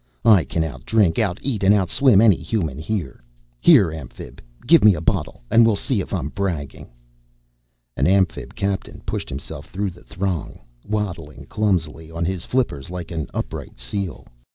"I can out drink, out eat, and out swim any Human here. Here, Amphib, give me a bottle, and we'll see if I'm bragging." An Amphib captain pushed himself through the throng, waddling clumsily on his flippers like an upright seal.